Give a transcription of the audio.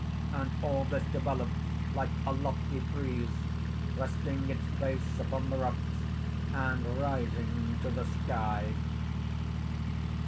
_ _And all this develops like a lofty frieze, resting its base upon the rocks, and rising to the sky.